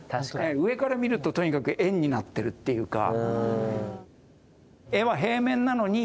上から見るととにかく円になってるっていうか。